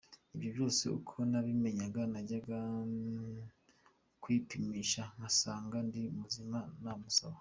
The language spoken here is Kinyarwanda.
Ibyo byose uko nabimenyaga najyaga kwipimisha ngasanga ndi muzima namusaba.